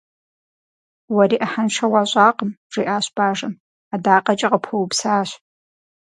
Уэри ӏыхьэншэ уащӏакъым, - жиӏащ бажэм. - Адакъэкӏэ къыпхуэупсащ.